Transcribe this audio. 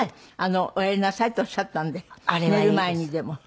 おやりなさいっておっしゃったんで寝る前にでも。